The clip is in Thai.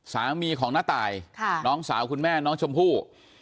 สามีของน้าตายน้องสาวคุณแม่น้องชมพู่